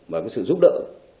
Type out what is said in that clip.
và cái sự giúp đỡ